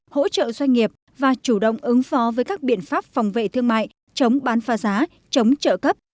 hỗ trợ doanh nghiệp và chủ động ứng phó với các biện pháp phòng vệ thương mại chống bán pha giá chống trợ cấp